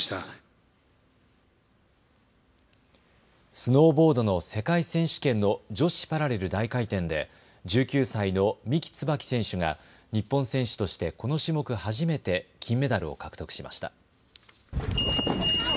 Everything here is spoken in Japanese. スノーボードの世界選手権の女子パラレル大回転で１９歳の三木つばき選手が日本選手としてこの種目初めて金メダルを獲得しました。